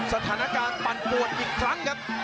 สถานการณ์ปั่นปวดอีกครั้งครับ